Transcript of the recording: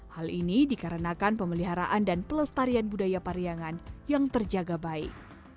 hal ini dikarenakan pemeliharaan dan pelestarian budaya pariangan yang terjaga baik